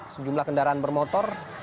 sejumlah kendaraan bermotor